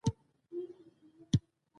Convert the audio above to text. د نورو حقونو ته درناوی د سولې لاره ده.